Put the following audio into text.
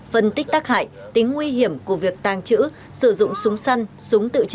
phân tích tác hại tính nguy hiểm của việc tàng trữ sử dụng súng săn